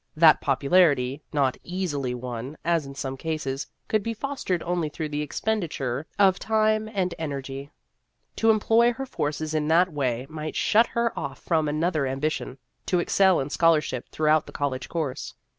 That popularity not easily won, as in some cases could be fostered only through the expenditure of time and en ergy. To employ her forces in that way might shut her off from another ambition : to excel in scholarship throughout the college course.